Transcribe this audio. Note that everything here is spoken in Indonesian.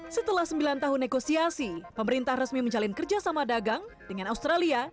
setelah sembilan tahun negosiasi pemerintah resmi menjalin kerjasama dagang dengan australia